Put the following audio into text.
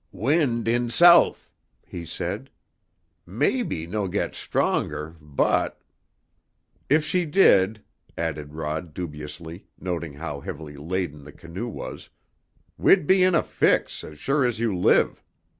"Wind in south," he said. "Maybe no get stronger, but " "If she did," added Rod dubiously, noting how heavily laden the canoe was, "we'd be in a fix, as sure as you live!"